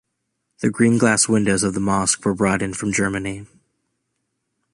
The green glass windows of the mosque were brought in from Germany.